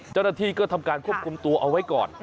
เจ้าหน้าที่ก็ทำการควบคุมตัวเอาไว้ก่อน